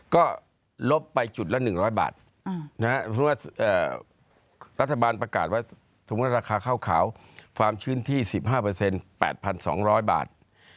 ก็ลบไปจุดละ๑๐๐บาทเพราะว่ารัฐบาลประกาศว่าสมมุติราคาข้าวขาวความชื้นที่๑๕๘๒๐๐บาท